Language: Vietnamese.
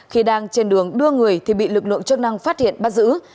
khi đang trên đường đưa người thì bị lực lượng chức năng phát hiện bắt giữ